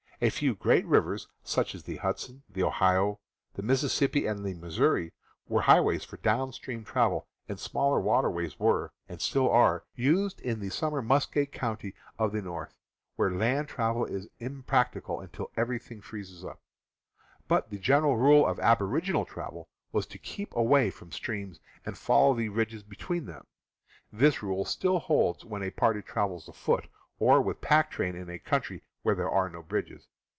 A T^. ., few great rivers such as the Hudson, the Ohio, the Mississippi, and the Mis souri, were highways for down stream travel, and smaller waterways were, and still are, used in summer in the 184 CAMPING AND WOODCRAFT muskeg country of the North, where land travel is im practicable until everything freezes up. But the gen eral rule of aboriginal travel was to keep away from streams and follow the ridges between them. This rule still holds good when a party travels afoot or with Fig. 8. pack train in a country where there are no bridges.